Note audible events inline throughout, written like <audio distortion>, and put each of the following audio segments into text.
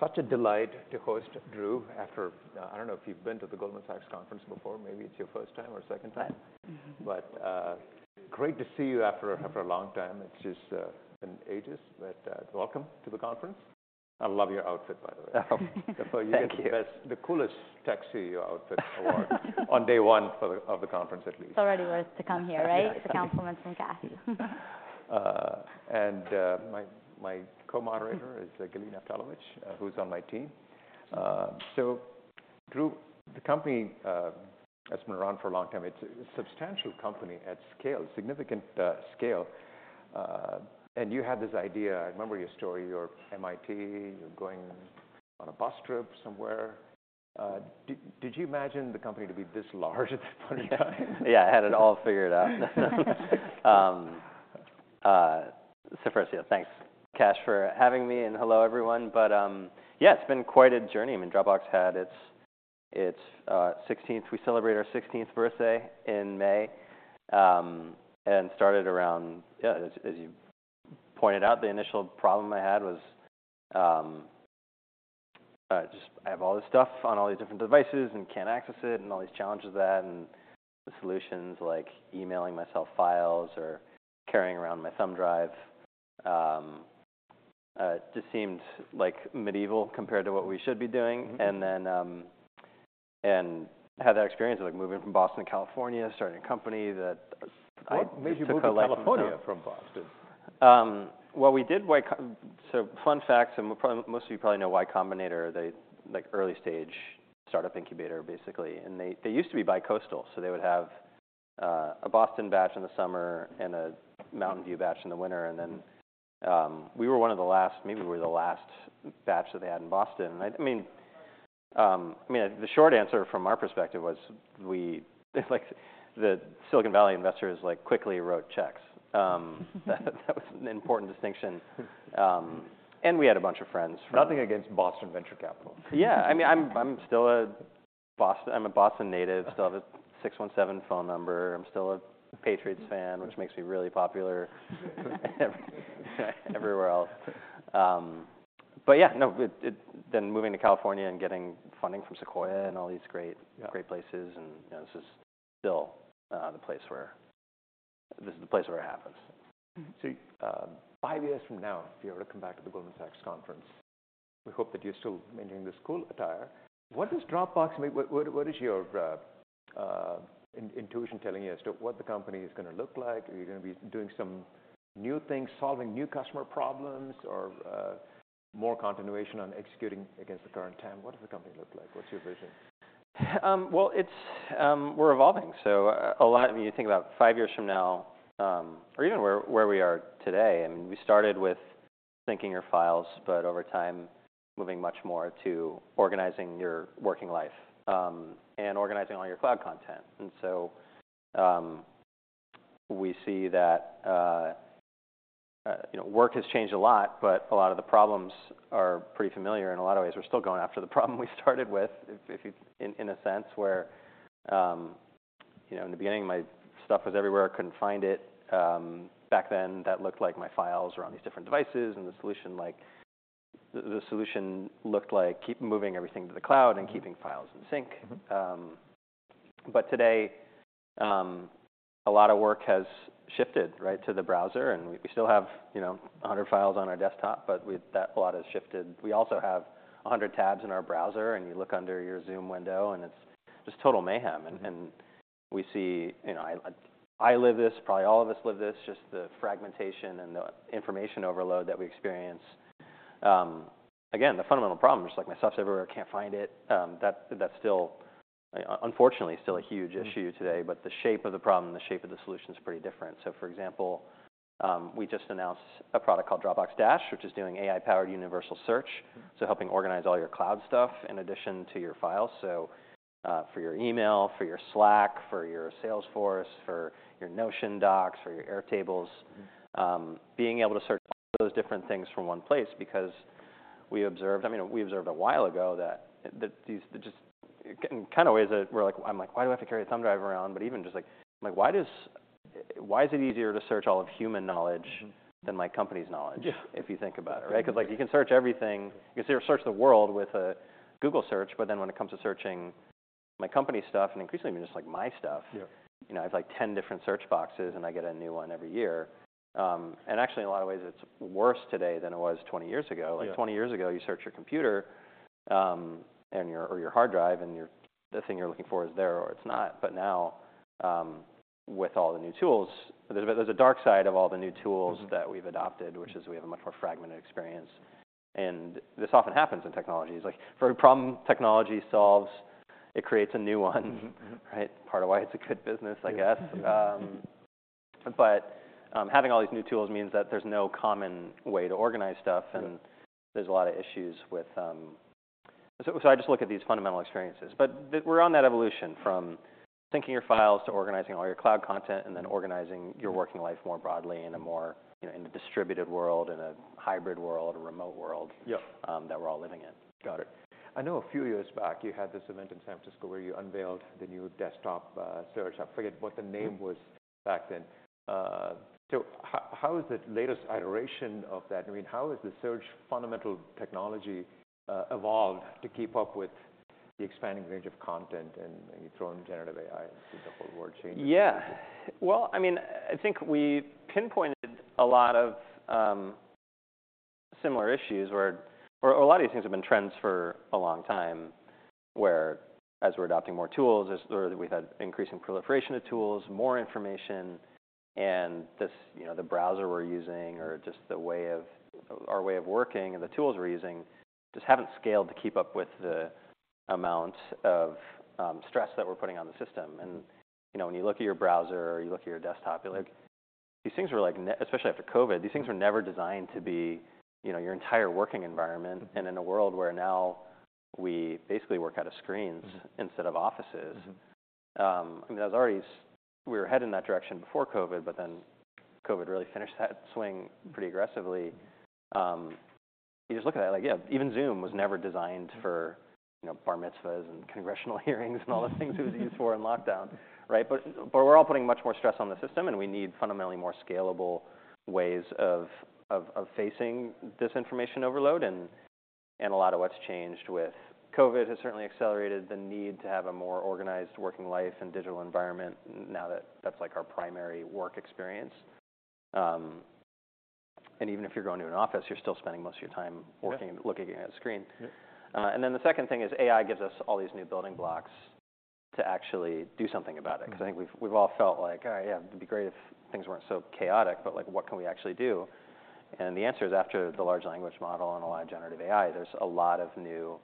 Such a delight to host Drew after, I don't know if you've been to the Goldman Sachs conference before, maybe it's your first time or second time. Mm-hmm. But, great to see you after a long time. It's just been ages, but welcome to the conference. I love your outfit, by the way. Thank you. So you get the best, the coolest tech CEO outfit award - on day one for the, of the conference, at least. It's already worth it to come here, right? Yeah. To get compliments from Kash. And, my co-moderator is Gabriela Borges, who's on my team. So Drew, the company has been around for a long time. It's a substantial company at scale, significant scale. And you had this idea, I remember your story, you're at MIT, you're going on a bus trip somewhere. Did you imagine the company to be this large at this point in time? Yeah, I had it all figured out. So first, yeah, thanks, Kash, for having me, and hello, everyone. But, yeah, it's been quite a journey. I mean, Dropbox had its sixteenth—we celebrated our 16th birthday in May. And started around... Yeah, as you pointed out, the initial problem I had was just I have all this stuff on all these different devices and can't access it, and all these challenges of that, and the solutions, like emailing myself files or carrying around my thumb drive, just seemed like medieval compared to what we should be doing. And then had that experience of, like, moving from Boston to California, starting a company that I took- What made you move to California from Boston? Well, so fun fact, and probably most of you probably know Y Combinator, the like early-stage startup incubator, basically, and they they used to be bicoastal, so they would have a Boston batch in the summer and a Mountain View batch in the winter. And then, we were one of the last, maybe we were the last batch that they had in Boston. I mean, the short answer from our perspective was we... Like, the Silicon Valley investors, like, quickly wrote checks. That was an important distinction. And we had a bunch of friends from- Nothing against Boston Venture Capital. Yeah. I mean, I'm still a Boston... I'm a Boston native, still have a 617 phone number, I'm still a Patriots fan, which makes me really popular- everywhere else. But yeah, no, it... Then moving to California and getting funding from Sequoia and all these great places and, you know, this is still, the place where, this is the place where it happens. So, five years from now, if you were to come back to the Goldman Sachs conference, we hope that you're still maintaining this cool attire. What does Dropbox make? What is your intuition telling you as to what the company is gonna look like? Are you gonna be doing some new things, solving new customer problems, or more continuation on executing against the current time? What does the company look like? What's your vision? Well, it's, we're evolving, so a lot of... When you think about five years from now, or even where we are today, I mean, we started with syncing your files, but over time, moving much more to organizing your working life, and organizing all your cloud content. And so, we see that, you know, work has changed a lot, but a lot of the problems are pretty familiar in a lot of ways. We're still going after the problem we started with, if you... In a sense, where you know, in the beginning, my stuff was everywhere, I couldn't find it. Back then, that looked like my files were on these different devices, and the solution, like, the solution looked like keeping moving everything to the cloud and keeping files in sync. But today, a lot of work has shifted, right, to the browser, and we still have, you know, 100 files on our desktop, but that lot has shifted. We also have 100 tabs in our browser, and you look under your Zoom window and it's just total mayhem. And we see, you know, I live this, probably all of us live this, just the fragmentation and the information overload that we experience. Again, the fundamental problem is, like, my stuff's everywhere, I can't find it. That, that's still, unfortunately, still a huge issue today but the shape of the problem and the shape of the solution is pretty different. So, for example, we just announced a product called Dropbox Dash, which is doing AI-powered universal search so helping organize all your cloud stuff in addition to your files. So, for your email, for your Slack, for your Salesforce, for your Notion docs, for your Airtable being able to search all those different things from one place, because we observed, I mean, we observed a while ago that, that these, the just... In kind of ways that we're like, I'm like: Why do I have to carry a thumb drive around? But even just like, I'm like: Why does, why is it easier to search all of human knowledge than my company's knowledge? Yeah. If you think about it, right? Yeah. 'Cause, like, you can search everything, you can search the world with a Google search, but then when it comes to searching my company's stuff, and increasingly, just, like, my stuff you know, I have, like, 10 different search boxes, and I get a new one every year. And actually, in a lot of ways it's worse today than it was 20 years ago. Yeah. Like, 20 years ago, you search your computer and your hard drive, and the thing you're looking for is there or it's not. But now, with all the new tools, there's a dark side of all the new tools that we've adopted, which is we have a much more fragmented experience. This often happens in technology. It's like, for every problem technology solves, it creates a new one. Mm-hmm, mm-hmm. Right? Part of why it's a good business, I guess. Having all these new tools means that there's no common way to organize stuff and there's a lot of issues with. So I just look at these fundamental experiences. But we're on that evolution, from syncing your files to organizing all your cloud content, and then organizing your working life more broadly in a more, you know, in a distributed world, in a hybrid world, a remote world that we're all living in. Got it. I know a few years back you had this event in San Francisco where you unveiled the new desktop search. I forget what the name was back then. So how is the latest iteration of that? I mean, how has the search fundamental technology evolved to keep up with the expanding range of content, and you throw in generative AI, and see the whole world changing. Yeah. Well, I mean, I think we pinpointed a lot of similar issues where a lot of these things have been trends for a long time, where as we're adopting more tools, or we've had increasing proliferation of tools, more information, and this, you know, the browser we're using or just the way of, our way of working and the tools we're using just haven't scaled to keep up with the amount of stress that we're putting on the system. And, you know, when you look at your browser or you look at your desktop, you're like, these things were like, especially after COVID, these things were never designed to be, you know, your entire working environment. In a world where now we basically work out of screens instead of offices. I mean, that was already so we were heading in that direction before COVID, but then COVID really finished that swing pretty aggressively. You just look at that, like, yeah, even Zoom was never designed for, you know, bar mitzvahs, and congressional hearings, and all the things it was used for in lockdown, right? But we're all putting much more stress on the system, and we need fundamentally more scalable ways of facing this information overload. And a lot of what's changed with COVID has certainly accelerated the need to have a more organized working life and digital environment now that that's, like, our primary work experience. And even if you're going to an office, you're still spending most of your time working looking at a screen. And then the second thing is AI gives us all these new building blocks to actually do something about it. 'Cause I think we've, we've all felt like, "Oh, yeah, it'd be great if things weren't so chaotic," but, like, what can we actually do? And the answer is, after the large language model and a lot of generative AI, there's a lot of new...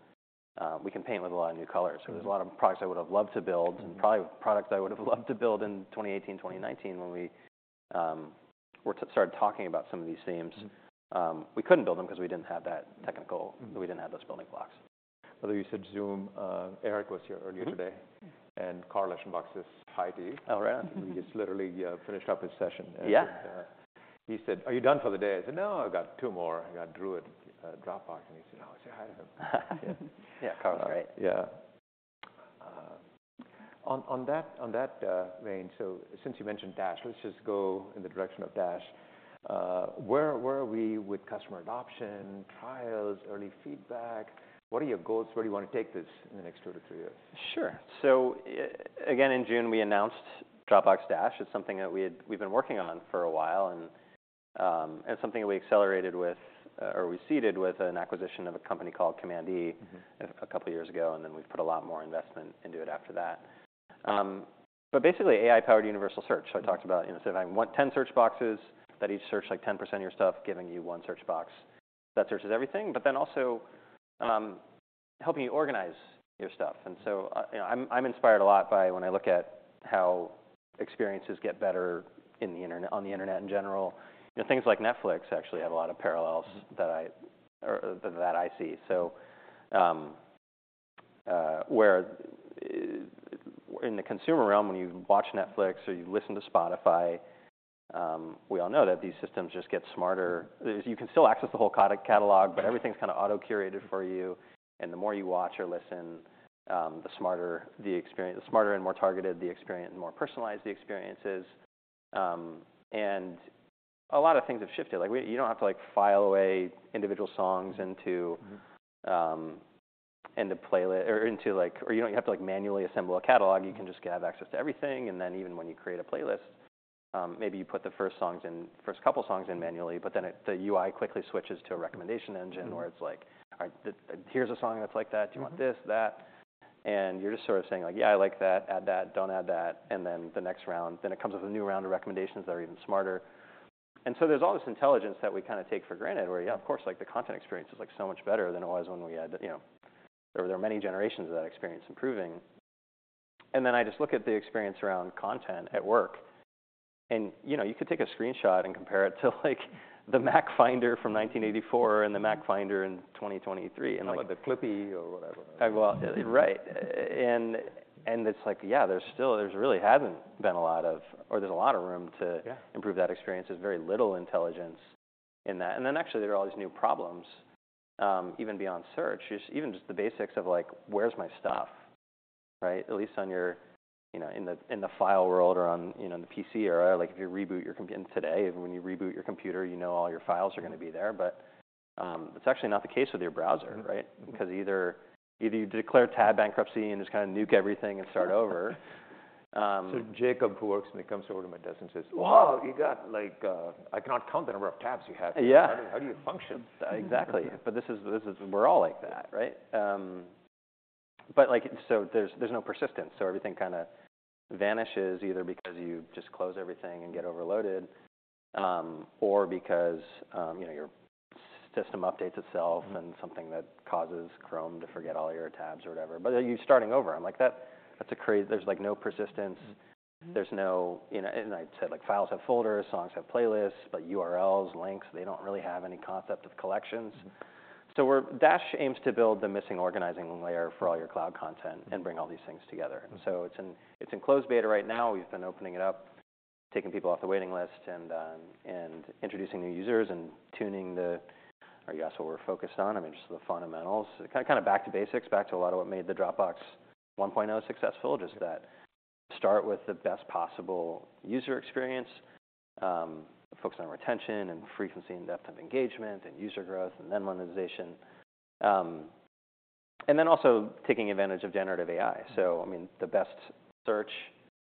we can paint with a lot of new colors. There's a lot of products I would've loved to build probably products I would've loved to build in 2018, 2019, when we were started talking about some of these themes. We couldn't build them 'cause we didn't have that technical. We didn't have those building blocks. Well, you said Zoom. Eric was here earlier today. Mm-hmm. Carl Eschenbach says hi to you. Oh, really? He just literally finished up his session, and- Yeah.... he said, "Are you done for the day?" I said, "No, I've got two more. I got Drew at Dropbox." And he said, "Oh, say hi to him. Yeah, Carl's great. Yeah. On that range, so since you mentioned Dash, let's just go in the direction of Dash. Where are we with customer adoption, trials, early feedback? What are your goals? Where do you want to take this in the next 2-3 years? Sure. So, again, in June, we announced Dropbox Dash. It's something that we've been working on for a while, and something that we accelerated with, or we seeded with an acquisition of a company called Command E. A couple years ago, and then we've put a lot more investment into it after that. But basically, AI-powered universal search. So I talked about, you know, instead of having 10 search boxes, that each search, like, 10% of your stuff, giving you one search box, that searches everything, but then also, helping you organize your stuff. And so, you know, I'm inspired a lot by when I look at how experiences get better on the internet in general. You know, things like Netflix actually have a lot of parallels that I, or that I see. So, where in the consumer realm, when you watch Netflix or you listen to Spotify, we all know that these systems just get smarter. You can still access the whole co- catalog but everything's kind of auto-curated for you, and the more you watch or listen, the smarter the experience, the smarter and more targeted the experience, the more personalized the experience is. And a lot of things have shifted. Like, you don't have to, like, file away individual songs into, like... Or you don't have to, like, manually assemble a catalog. You can just have access to everything, and then even when you create a playlist, maybe you put the first songs in, first couple songs in manually, but then it, the UI quickly switches to a recommendation engine where it's like, "All right, here's a song that's like that. Do you want this, that? And you're just sort of saying like, "Yeah, I like that. Add that, don't add that." And then the next round, then it comes up with a new round of recommendations that are even smarter. And so there's all this intelligence that we kind of take for granted, where, yeah, of course, like, the content experience is, like, so much better than it was when we had... You know, there are many generations of that experience improving. And then I just look at the experience around content at work and, you know, you could take a screenshot and compare it to, like, the Mac Finder from 1984 and the Mac Finder in 2023, and like- Talk about the Clippy or whatever. Well, right. And it's like, yeah, there really hasn't been a lot of... Or there's a lot of room to improve that experience. There's very little intelligence in that. And then, actually, there are all these new problems, even beyond search. Just even the basics of, like, where's my stuff, right? At least on your, you know, in the file world or on, you know, in the PC era, like, if you reboot your computer, you know all your files are gonna be there. But, that's actually not the case with your browser, right? 'Cause either you declare tab bankruptcy and just kind of nuke everything and start over- So Jacob, who works with me, comes over to my desk and says, "Whoa, you got like, I cannot count the number of tabs you have here. Yeah. How do you function? Exactly. But this is, we're all like that, right? But, like, so there's no persistence, so everything kind of vanishes, either because you just close everything and get overloaded, or because, you know, your system updates itself and something that causes Chrome to forget all your tabs or whatever, but then you're starting over. I'm like, that's a crazy... There's, like, no persistence. There's no, you know, and I said, like, files have folders, songs have playlists, but URLs, links, they don't really have any concept of collections. So Dash aims to build the missing organizing layer for all your cloud content and bring all these things together. So it's in, it's in closed beta right now. We've been opening it up, taking people off the waiting list, and and introducing new users, and tuning the, I guess, what we're focused on, I mean, just the fundamentals. Kind of back to basics, back to a lot of what made the Dropbox 1.0 was successful, just that start with the best possible user experience, focus on retention and frequency and depth of engagement, and user growth, and then monetization. And then also taking advantage of generative AI. So I mean, the best search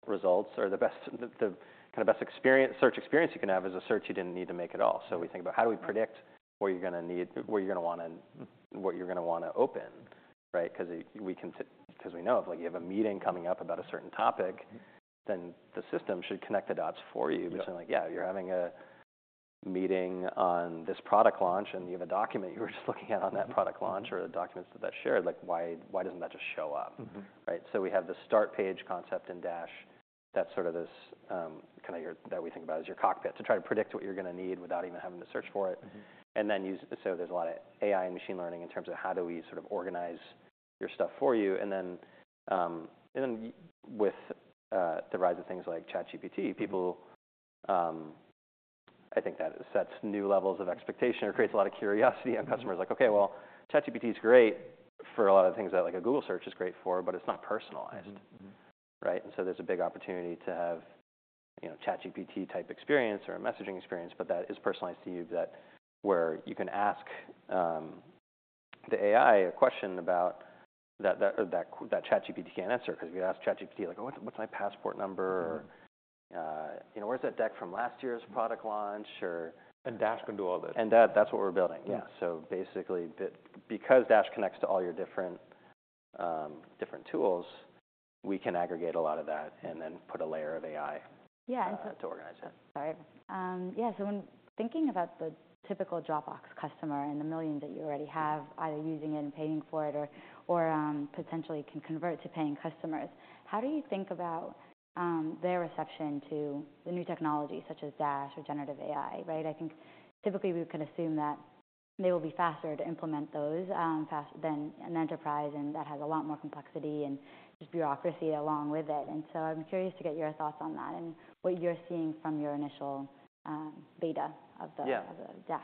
results or the best the kinda best experience, search experience you can have is a search you didn't need to make at all. So we think about how do we predict what you're gonna need, what you're gonna wanna open, right? 'Cause we know, if, like, you have a meeting coming up about a certain topic, then the system should connect the dots for you. Yeah. And like, yeah, you're having a meeting on this product launch, and you have a document you were just looking at on that product launch or the documents that that shared. Like, why, why doesn't that just show up? Mm-hmm. Right? So we have the start page concept in Dash that's sort of this, kinda your... that we think about as your cockpit, to try to predict what you're gonna need without even having to search for it. Mm-hmm. So there's a lot of AI and machine learning in terms of how do we sort of organize your stuff for you. And then, with the rise of things like ChatGPT, people I think that sets new levels of expectation or creates a lot of curiosity in customers. Like, okay, well, ChatGPT is great for a lot of things that, like, a Google search is great for, but it's not personalized. Mm-hmm. Mm-hmm. Right? And so there's a big opportunity to have, you know, ChatGPT-type experience or a messaging experience, but that is personalized to you, that where you can ask the AI a question about... that ChatGPT can't answer. 'Cause if you ask ChatGPT, like, "Oh, what's my passport number? Mm-hmm. Or, you know, "Where's that deck from last year's product launch?" Or- Dash can do all this. That, that's what we're building. Yeah. So basically, because Dash connects to all your different, different tools, we can aggregate a lot of that and then put a layer of AI- Yeah.... to organize it. Sorry. Yeah, so when thinking about the typical Dropbox customer, and the millions that you already have either using it and paying for it or, or, potentially can convert to paying customers, how do you think about their reception to the new technology such as Dash or generative AI, right? I think typically, we can assume that they will be faster to implement those than an enterprise, and that has a lot more complexity and just bureaucracy along with it. And so I'm curious to get your thoughts on that, and what you're seeing from your initial beta of the Dash.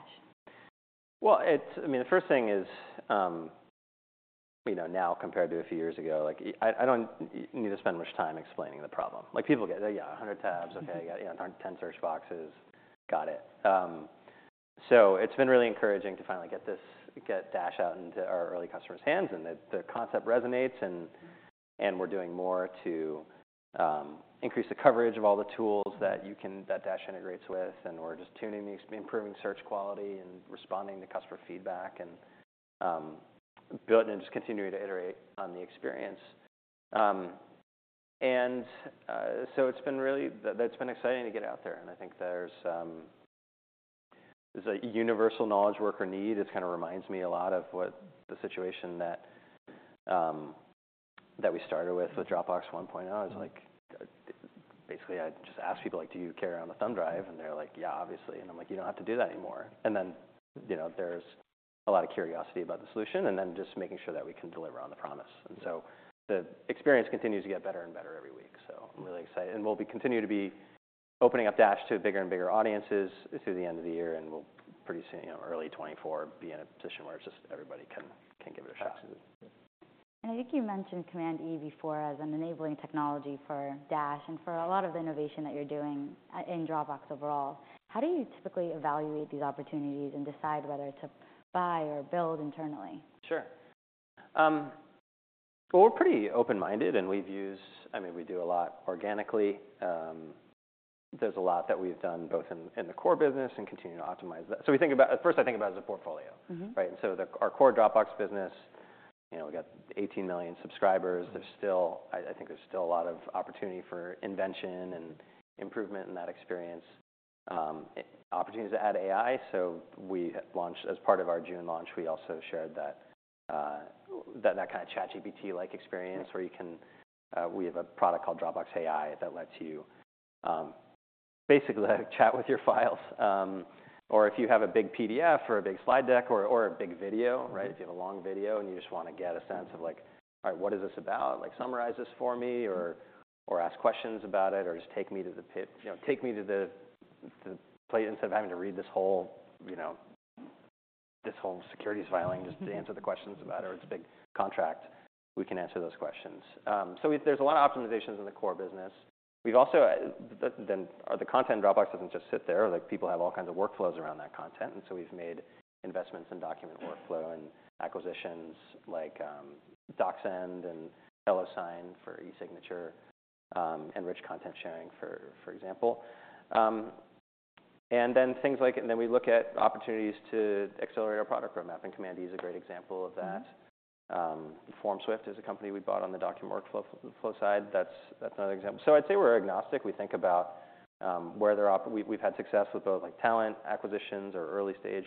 Well, it's I mean, the first thing is, you know, now, compared to a few years ago, like, I don't need to spend much time explaining the problem. Like, people get it. Yeah, 100 tabs, okay. Yeah, 110 search boxes. Got it. So it's been really encouraging to finally get Dash out into our early customers' hands, and the concept resonates, and we're doing more to increase the coverage of all the tools that Dash integrates with, and we're just tuning, improving search quality and responding to customer feedback and building and just continuing to iterate on the experience. That's been exciting to get out there, and I think there's a universal knowledge worker need. It kind of reminds me a lot of what the situation that we started with, with Dropbox 1.0. It's like, basically, I'd just ask people, like, "Do you carry around a thumb drive?" And they're like, "Yeah, obviously." And I'm like: "You don't have to do that anymore." And then, you know, there's a lot of curiosity about the solution, and then just making sure that we can deliver on the promise. The experience continues to get better and better every week, so I'm really excited. We'll continue to be opening up Dash to bigger and bigger audiences through the end of the year, and we'll pretty soon, you know, early 2024, be in a position where it's just everybody can give it a shot. I think you mentioned Command E before as an enabling technology for Dash and for a lot of the innovation that you're doing in Dropbox overall. How do you typically evaluate these opportunities and decide whether to buy or build internally? Sure. Well, we're pretty open-minded, and we've used—I mean, we do a lot organically. There's a lot that we've done both in the core business and continue to optimize that. So we think about... First, I think about as a portfolio. Mm-hmm. Right? And so, our core Dropbox business, you know, we've got 18 million subscribers. There's still... I think there's still a lot of opportunity for invention and improvement in that experience, and opportunities to add AI. So we launched, as part of our June launch, we also shared that that kind of ChatGPT-like experience where you can, we have a product called Dropbox AI that lets you, basically chat with your files. Or if you have a big PDF or a big slide deck or, or a big video, right? If you have a long video and you just wanna get a sense of, like, "All right, what is this about?" Like, "Summarize this for me," or "Ask questions about it," or "Just take me to the you know, take me to the, the plate instead of having to read this whole, you know, this whole securities filing just answer the questions about it, or it's a big contract, we can answer those questions. So there's a lot of optimizations in the core business. We've also. Then the content in Dropbox doesn't just sit there. Like, people have all kinds of workflows around that content, and so we've made investments in document workflow and acquisitions, like DocSend and HelloSign for e-signature, and rich content sharing, for example. And then things like. And then we look at opportunities to accelerate our product roadmap, and Command E is a great example of that. Mm-hmm. FormSwift is a company we bought on the document workflow, flow side. That's another example. So I'd say we're agnostic. We think about where there We've had success with both, like, talent acquisitions or early-stage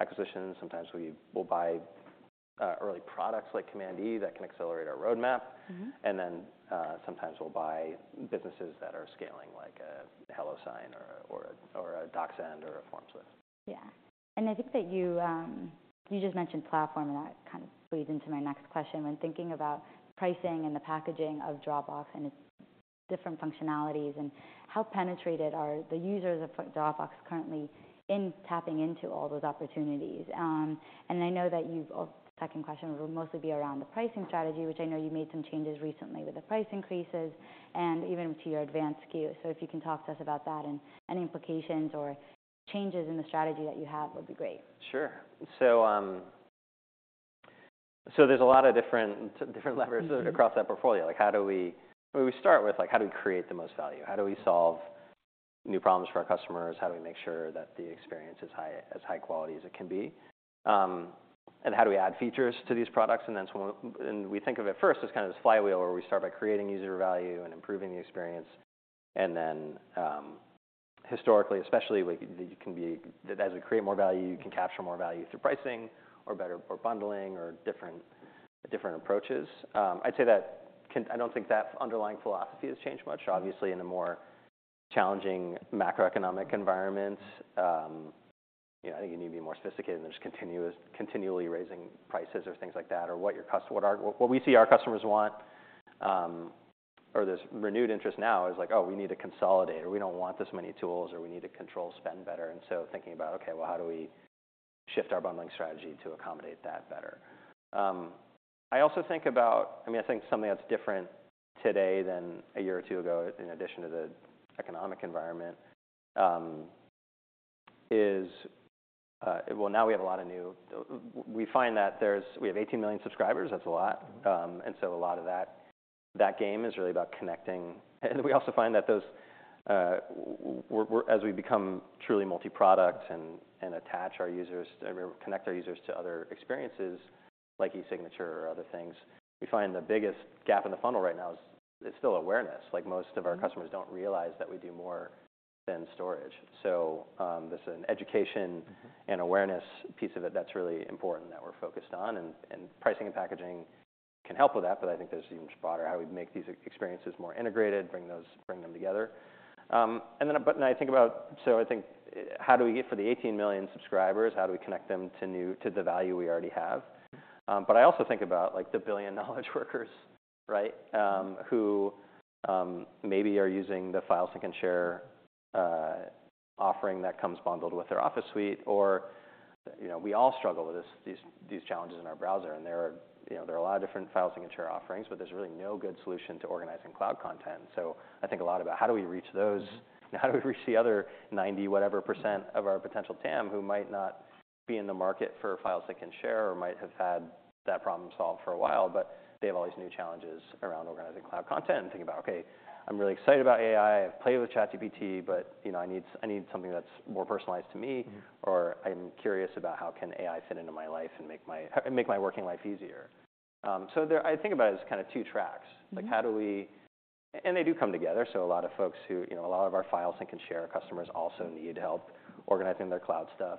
acquisitions. Sometimes we will buy early products like Command E that can accelerate our roadmap. Mm-hmm. Then, sometimes we'll buy businesses that are scaling, like a HelloSign or a DocSend or a FormSwift. Yeah. And I think that you, you just mentioned platform, and that kind of bleeds into my next question. When thinking about pricing and the packaging of Dropbox and its different functionalities, and how penetrated are the users of Dropbox currently in tapping into all those opportunities? And I know that you've second question will mostly be around the pricing strategy, which I know you made some changes recently with the price increases and even to your advanced SKU. So if you can talk to us about that, and any implications or changes in the strategy that you have, would be great. Sure. So, so there's a lot of different, different levers across that portfolio. Like, how do we—well, we start with, like, how do we create the most value? How do we solve new problems for our customers? How do we make sure that the experience is high, as high quality as it can be? And how do we add features to these products? And that's when we... And we think of it first as kind of this flywheel, where we start by creating user value and improving the experience. And then, historically especially, we—you can be—as we create more value, you can capture more value through pricing or better or bundling or different, different approaches. I'd say that can. I don't think that underlying philosophy has changed much. Obviously, in a more challenging macroeconomic environment, you know, I think you need to be more sophisticated than just continually raising prices or things like that, or what we see our customers want, or this renewed interest now is like, "Oh, we need to consolidate," or, "We don't want this many tools," or, "We need to control spend better." And so thinking about, okay, well, how do we shift our bundling strategy to accommodate that better? I also think about, I mean, I think something that's different today than a year or two ago, in addition to the economic environment, is, well, now we have a lot of new... we have 18 million subscribers. That's a lot. And so a lot of that, that game is really about connecting. And we also find that those where we're as we become truly multi-product and attach our users, or connect our users to other experiences, like eSignature or other things, we find the biggest gap in the funnel right now is still awareness. Like, most of our customers don't realize that we do more than storage. So, there's an education and awareness piece of it that's really important that we're focused on, and pricing and packaging can help with that, but I think there's even broader, how do we make these experiences more integrated, bring them together? But I think about. So I think, how do we get for the 18 million subscribers, how do we connect them to the value we already have? But I also think about, like, the 1 billion knowledge workers, right? Who maybe are using the files they can share offering that comes bundled with their Office suite, or, you know, we all struggle with these challenges in our browser. And, you know, there are a lot of different file sync and share offerings, but there's really no good solution to organizing cloud content. So I think a lot about how do we reach those, and how do we reach the other 90% whatever of our potential TAM, who might not be in the market for files that can share or might have had that problem solved for a while, but they have all these new challenges around organizing cloud content and think about, "Okay, I'm really excited about AI. I've played with ChatGPT, but, you know, I need something that's more personalized to me." Or I'm curious about how can AI fit into my life and make my, and make my working life easier?" So there, I think about it as kind of two tracks. Like, how do we... And they do come together, so a lot of folks who, you know, a lot of our files that can share, our customers also need help organizing their cloud stuff.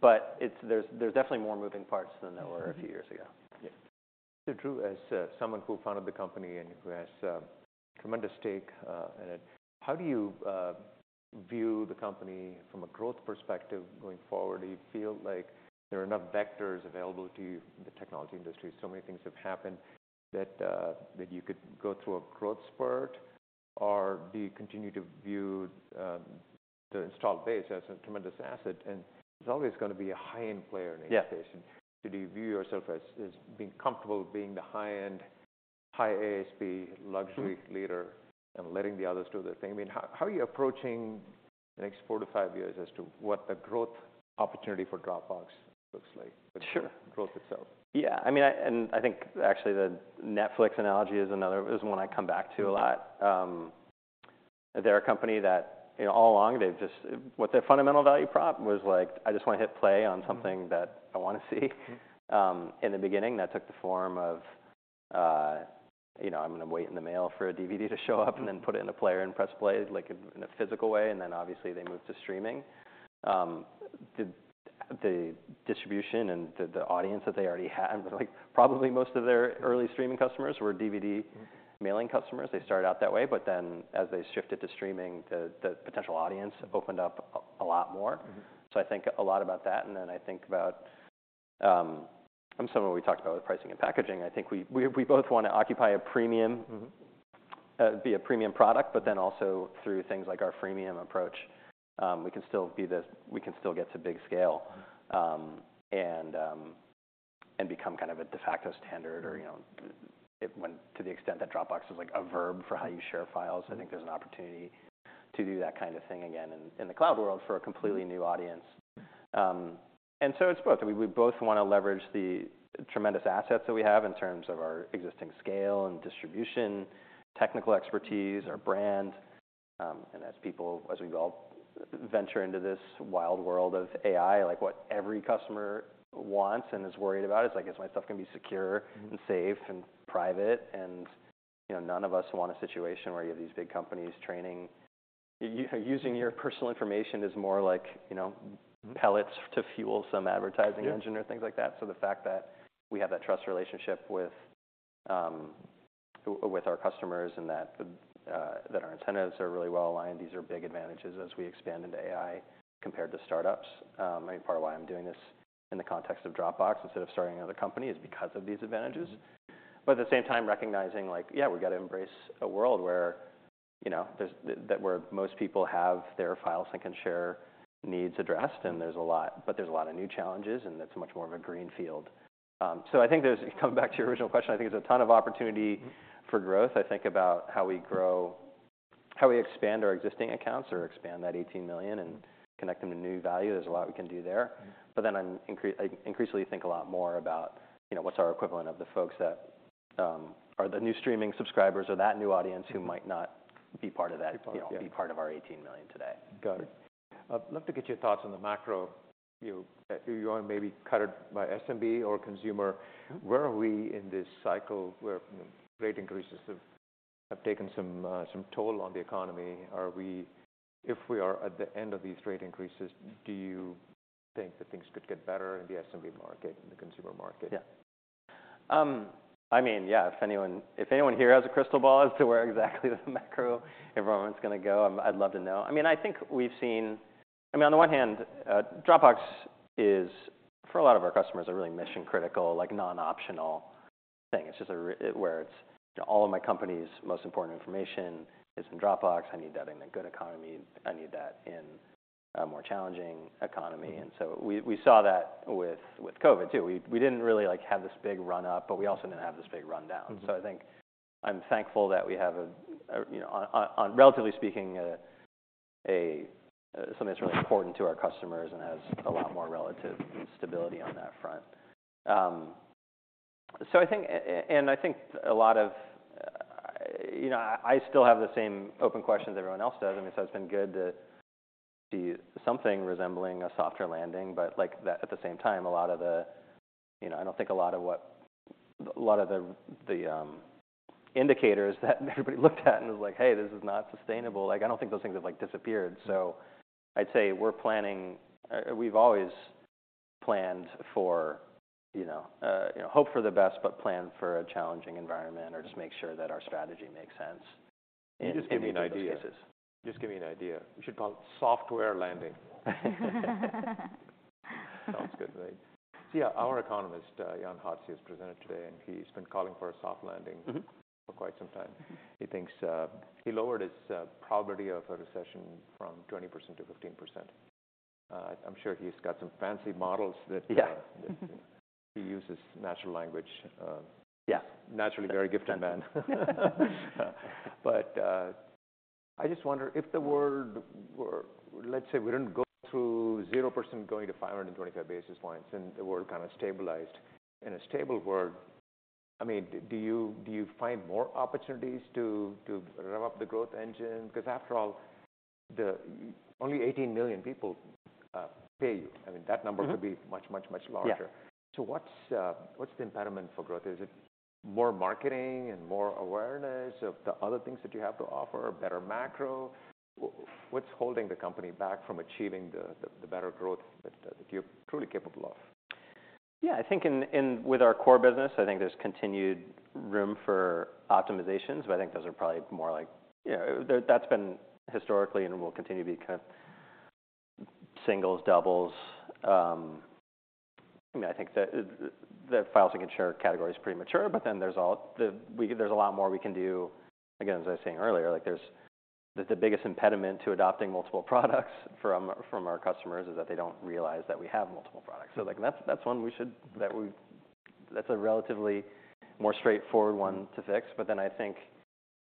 But it's, there's, there's definitely more moving parts than there were a few years ago. So Drew, as someone who founded the company and who has tremendous stake in it, how do you view the company from a growth perspective going forward? Do you feel like there are enough vectors available to you in the technology industry? So many things have happened that you could go through a growth spurt, or do you continue to view the installed base as a tremendous asset, and there's always gonna be a high-end player in each base. Yeah. So do you view yourself as being comfortable being the high-end, high ASP luxury leader and letting the others do their thing? I mean, how are you approaching the next 4-5 years as to what the growth opportunity for Dropbox looks like growth itself. Sure. Yeah, I mean, and I think actually, the Netflix analogy is another, is one I come back to a lot. They're a company that, you know, all along they've just- what their fundamental value prop was like, I just want to hit play on something that I want to see. In the beginning, that took the form of, you know, I'm gonna wait in the mail for a DVD to show up, and then put it in a player and press play, like in a physical way, and then obviously they moved to streaming. The distribution and the audience that they already had was like, probably most of their early streaming customers were DVD mailing customers. They started out that way, but then, as they shifted to streaming, the potential audience opened up a lot more. Mm-hmm. So I think a lot about that, and then I think about some of what we talked about with pricing and packaging. I think we both want to occupy a premium, be a premium product, but then also through things like our Freemium approach, we can still get to big scale and become kind of a de facto standard or, you know, it went to the extent that Dropbox was like a verb for how you share files. I think there's an opportunity to do that kind of thing again in the cloud world for a completely new audience. And so it's both. We both want to leverage the tremendous assets that we have, in terms of our existing scale and distribution, technical expertise, our brand, and as we all venture into this wild world of AI, like, what every customer wants and is worried about is, like: Is my stuff gonna be secure and safe and private? And, you know, none of us want a situation where you have these big companies training... using your personal information as more like, you know pellets to fuel some advertising engine or things like that. So the fact that we have that trust relationship with our customers, and that our incentives are really well aligned, these are big advantages as we expand into AI, compared to startups. Maybe part of why I'm doing this in the context of Dropbox, instead of starting another company, is because of these advantages. But at the same time, recognizing, like, yeah, we've got to embrace a world where you know, there's that where most people have their file sync and share needs addressed, and there's a lot. But there's a lot of new challenges, and it's much more of a green field. So I think there's, coming back to your original question, I think there's a ton of opportunity for growth. I think about how we grow, how we expand our existing accounts or expand that 18 million, and connect them to new value. There's a lot we can do there. But then I increasingly think a lot more about, you know, what's our equivalent of the folks that are the new streaming subscribers or that new audience who might not be part of that you know, be part of our 18 million today. Got it. Love to get your thoughts on the macro view. You want to maybe cut it by SMB or consumer, where are we in this cycle, where, you know, rate increases have taken some toll on the economy? Are we, if we are at the end of these rate increases, do you think that things could get better in the SMB market, in the consumer market? Yeah. I mean, yeah, if anyone, if anyone here has a crystal ball as to where exactly the macro environment's gonna go, I'd love to know. I mean, I think we've seen... I mean, on the one hand, Dropbox is, for a lot of our customers, a really mission-critical, like, non-optional thing. It's just a where it's, you know, all of my company's most important information is in Dropbox. I need that in a good economy, I need that in a more challenging economy. And so we saw that with COVID too. We didn't really, like, have this big run-up, but we also didn't have this big rundown. So I think I'm thankful that we have, you know, on, relatively speaking, something that's really important to our customers and has a lot more relative stability on that front. So I think, and I think a lot of, you know, I still have the same open questions everyone else does. I mean, so it's been good to see something resembling a softer landing, but, like, at the same time, a lot of the... You know, I don't think a lot of what, a lot of the indicators that everybody looked at and was like, "Hey, this is not sustainable," like, I don't think those things have, like, disappeared. So I'd say we're planning. We've always planned for, you know, you know, hope for the best, but plan for a challenging environment, or just make sure that our strategy makes sense in- You just gave me an idea.... any of these cases. Just gave me an idea. We should call it software landing. Sounds good, right? See, yeah, our economist, Jan Hatzius, presented today, and he's been calling for a soft landing- Mm-hmm.... for quite some time. He thinks, he lowered his, probability of a recession from 20% to 15%. I'm sure he's got some fancy models that- Yeah. that he uses natural language. Yeah. Naturally, a very gifted man. But I just wonder if the world were... Let's say we didn't go through 0% to 525 basis points, and the world kind of stabilized. In a stable world, I mean, do you find more opportunities to rev up the growth engine? Because after all, only 18 million people pay you. I mean, that number- Mm-hmm... could be much, much, much larger. Yeah. So what's, what's the impediment for growth? Is it more marketing and more awareness of the other things that you have to offer, or better macro? What's holding the company back from achieving the, the, the better growth that, that you're truly capable of? Yeah, I think in with our core business, I think there's continued room for optimizations, but I think those are probably more like... You know, that's been historically, and will continue to be, kind of singles, doubles. I mean, I think the file sync and share category is pretty mature, but then there's a lot more we can do. Again, as I was saying earlier, like, there's the biggest impediment to adopting multiple products from our customers, is that they don't realize that we have multiple products. So, like, that's one we should... That's a relatively more straightforward one to fix. But then I think,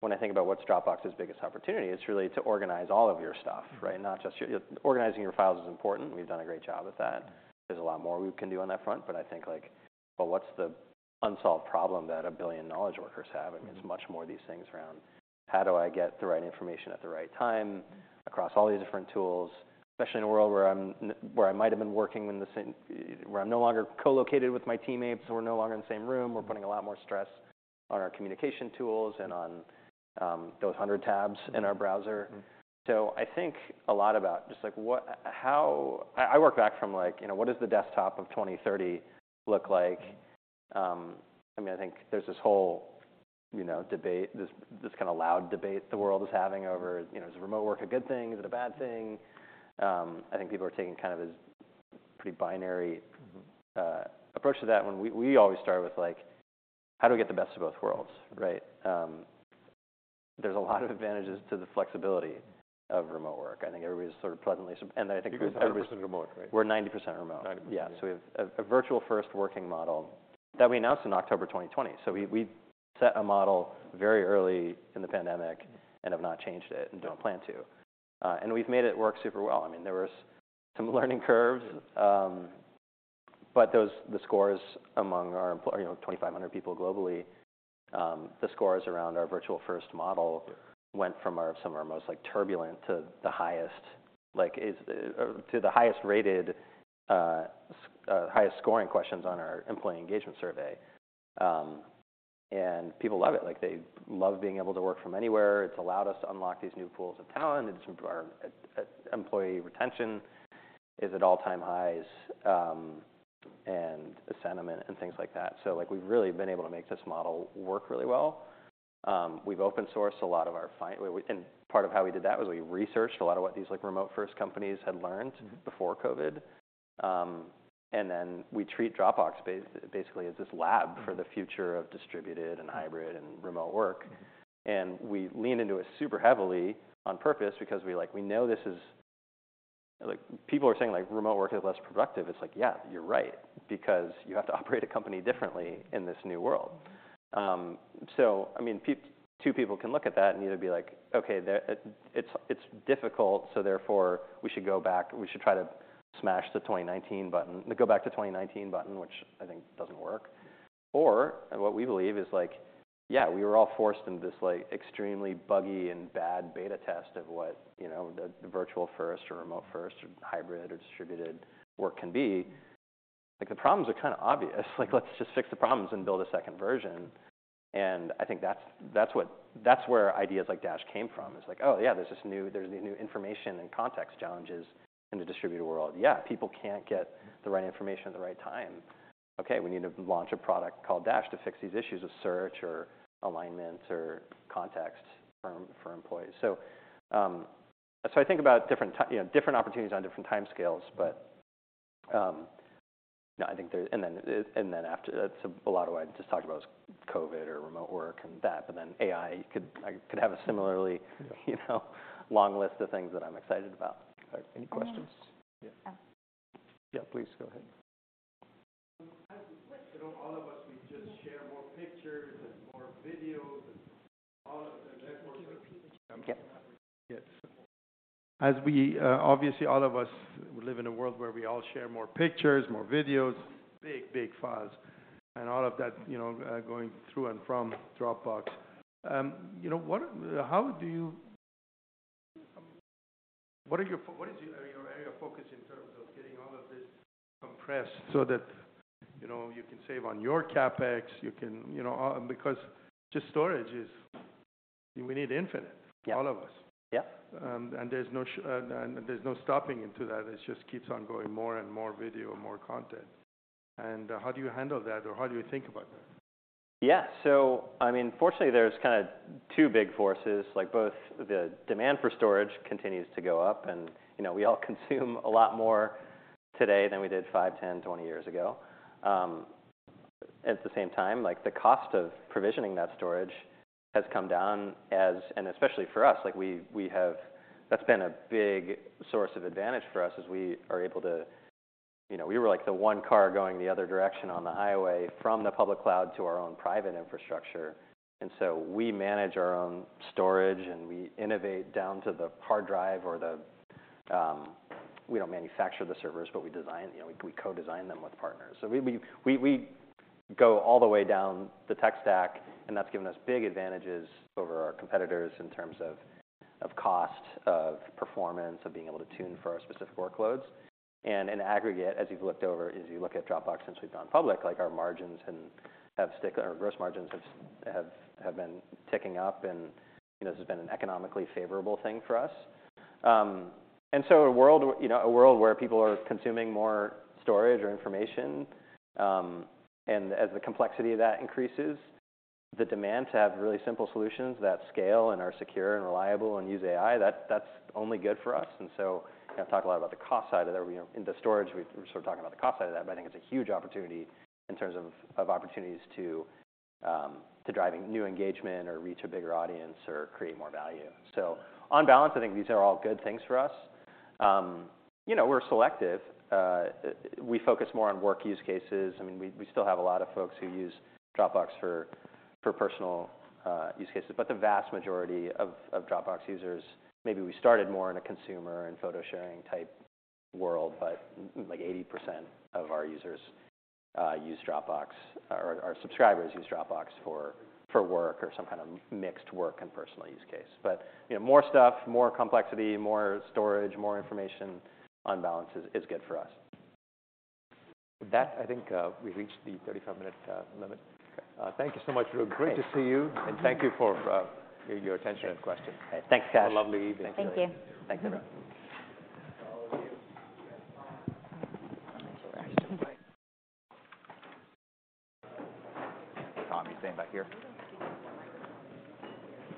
when I think about what's Dropbox's biggest opportunity, it's really to organize all of your stuff, right? Not just... Organizing your files is important, we've done a great job at that. There's a lot more we can do on that front, but I think like, but what's the unsolved problem that a billion knowledge workers have? I mean, it's much more these things around: How do I get the right information at the right time across all these different tools? Especially in a world where I'm no longer co-located with my teammates, we're no longer in the same room, we're putting a lot more stress on our communication tools and on, those 100 tabs in our browser. So I think a lot about just, like, what, how... I work back from, like, you know, what does the desktop of 2030 look like? I mean, I think there's this whole, you know, debate, this, this kind of loud debate the world is having over, you know, is remote work a good thing? Is it a bad thing? I think people are taking kind of this pretty binary approach to that, when we always start with, like, how do we get the best of both worlds, right? There's a lot of advantages to the flexibility of remote work. I think everybody's sort of pleasantly, and I think- You're 100% remote, right? We're 90% remote. Yeah, so we have a Virtual First working model that we announced in October 2020. So we set a model very early in the pandemic, and have not changed it and don't plan to. And we've made it work super well. I mean, there was some learning curves, but those, the scores among our employees, you know, 2,500 people globally, the scores around our Virtual First model went from some of our most like turbulent, to the highest, like, to the highest rated, highest scoring questions on our employee engagement survey. And people love it. Like, they love being able to work from anywhere. It's allowed us to unlock these new pools of talent, it's improved our, employee retention is at all-time highs, and the sentiment, and things like that. So, like, we've really been able to make this model work really well. We've open sourced a lot of our fi- we, we part of how we did that was we researched a lot of what these, like, remote-first companies had learned before COVID... and then we treat Dropbox basically as this lab for the future of distributed, and hybrid, and remote work. And we lean into it super heavily on purpose, because we, like, we know this is, like, people are saying, like, remote work is less productive. It's like, yeah, you're right, because you have to operate a company differently in this new world. So I mean, two people can look at that, and either be like, "Okay, it's difficult, so therefore, we should go back, we should try to smash the 2019 button, the go back to 2019 button," which I think doesn't work. What we believe is like, yeah, we were all forced into this, like, extremely buggy and bad beta test of what, you know, the Virtual First, or remote first, or hybrid, or distributed work can be. Like, the problems are kind of obvious. Like, let's just fix the problems and build a second version. And I think that's what, that's where ideas like Dash came from. It's like, oh yeah, there's this new, there's these new information and context challenges in the distributed world. Yeah, people can't get the right information at the right time. Okay, we need to launch a product called Dash to fix these issues with search, or alignment, or context for, for employees. So, so I think about different, you know, different opportunities on different timescales. But, no, I think there... And then after—that's a lot of what I just talked about was COVID, or remote work, and that, but then AI could—I could have a similarly you know, long list of things that I'm excited about. All right. Any questions? Yeah, please go ahead. As you know, all of us, we just share more pictures and more videos, and all of the networks- <audio distortion> Yes. As we obviously, all of us, we live in a world where we all share more pictures, more videos, big, big files, and all of that, you know, going through and from Dropbox. You know, what is your, your area of focus in terms of getting all of this compressed so that, you know, you can save on your CapEx, you can, you know. Because just storage is, we need infinite- Yeah... all of us. Yeah. There's no stopping into that, it just keeps on going more and more video, more content. How do you handle that, or how do you think about that? Yeah. So I mean, fortunately, there's kind of two big forces, like, both the demand for storage continues to go up and, you know, we all consume a lot more today than we did five, 10, 20 years ago. At the same time, like, the cost of provisioning that storage has come down as... And especially for us, like, we have-- That's been a big source of advantage for us, as we are able to... You know, we were, like, the one car going the other direction on the highway from the public cloud to our own private infrastructure, and so we manage our own storage, and we innovate down to the hard drive or the, um... We don't manufacture the servers, but we design, you know, we co-design them with partners. So we go all the way down the tech stack, and that's given us big advantages over our competitors in terms of cost, of performance, of being able to tune for our specific workloads. And in aggregate, as you've looked over, as you look at Dropbox since we've gone public, like, our gross margins have been ticking up, and, you know, this has been an economically favorable thing for us. And so a world you know, a world where people are consuming more storage or information, and as the complexity of that increases, the demand to have really simple solutions that scale, and are secure, and reliable, and use AI, that's only good for us. And so, you know, I've talked a lot about the cost side of that, you know, in the storage, we're sort of talking about the cost side of that, but I think it's a huge opportunity in terms of opportunities to driving new engagement, or reach a bigger audience, or create more value. So on balance, I think these are all good things for us. You know, we're selective. We focus more on work use cases. I mean, we still have a lot of folks who use Dropbox for personal use cases, but the vast majority of Dropbox users, maybe we started more in a consumer and photo-sharing type world, but, like, 80% of our users use Dropbox, or our subscribers use Dropbox for work or some kind of mixed work and personal use case. You know, more stuff, more complexity, more storage, more information on balance is good for us. With that, I think, we've reached the 35-minute limit. Okay. Thank you so much, Drew. Thanks. Great to see you, and thank you for your attention and questions. Thanks, guys. Have a lovely evening. Thank you. Thanks, everyone. Thank you.